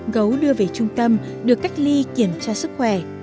gấu đưa về trung tâm được cách ly kiểm tra sức khỏe